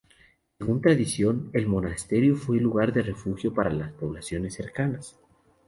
Según tradición, el monasterio fue lugar de refugio para las poblaciones cercanas.